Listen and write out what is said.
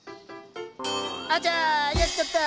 あちゃやっちゃった。